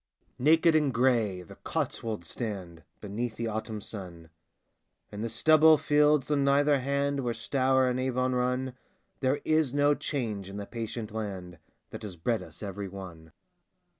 Naked and grey the Cotswolds stand Before Beneath the autumn sun, Edgehill And the stubble fields on either hand October Where Stour and Avon run, 1642. There is no change in the patient land That has bred us every one.